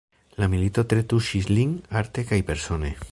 La milito tre tuŝis lin, arte kaj persone.